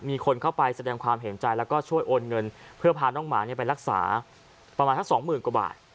มีคนเข้าไปแสดงความเห็นใจแล้วก็ช่วยโอนเงินเพื่อพาน้องหมาไปรักษาประมาณสักสองหมื่นกว่าบาท